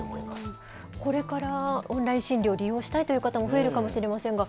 これからオンライン診療を利用したいという方も増えるかもしれませんが、